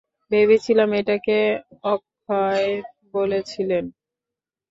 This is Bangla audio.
ভেবেছিলাম, এটাকে অক্ষয় বলেছিলেন!